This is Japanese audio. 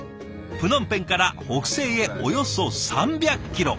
プノンペンから北西へおよそ３００キロ。